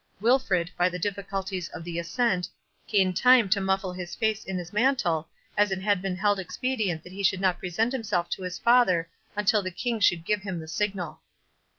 Wilfred, by the difficulties of the ascent, gained time to muffle his face in his mantle, as it had been held expedient that he should not present himself to his father until the King should give him the signal.